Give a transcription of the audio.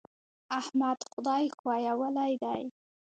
احمد خدای ښويولی دی.